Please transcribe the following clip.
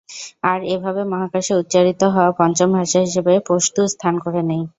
আর এভাবে মহাকাশে উচ্চারিত হওয়া পঞ্চম ভাষা হিসেবে পশতু স্থান করে নেয়।